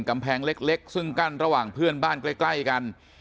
กำแพงเล็กซึ่งกั้นระหว่างเพื่อนบ้านใกล้กัน